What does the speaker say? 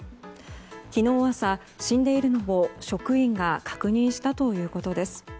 昨日朝、死んでいるのを職員が確認したということです。